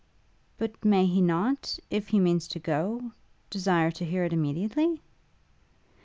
'But may he not if he means to go desire to hear it immediately?'